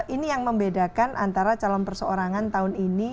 ini yang membedakan antara calon perseorangan tahun ini